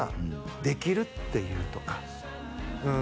「できるって言う」とかうん